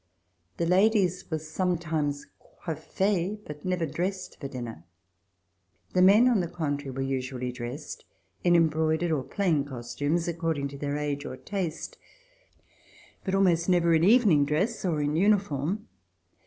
The ladies were sometimes coiffees, but never dressed for dinner. The men, on the contrary, were usually dressed in em broidered or plain costumes, according to their age or taste, but almost never in evening dress or in uniform.